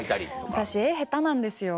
私絵下手なんですよ。